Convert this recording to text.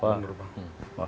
masak bener bahwa